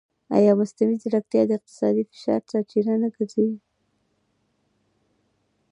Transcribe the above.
ایا مصنوعي ځیرکتیا د اقتصادي فشار سرچینه نه ګرځي؟